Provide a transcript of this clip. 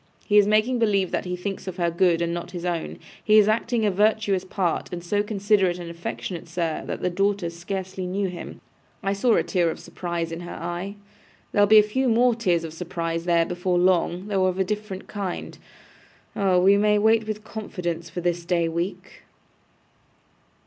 He is making believe that he thinks of her good and not his own. He is acting a virtuous part, and so considerate and affectionate, sir, that the daughter scarcely knew him. I saw a tear of surprise in her eye. There'll be a few more tears of surprise there before long, though of a different kind. Oh! we may wait with confidence for this day week.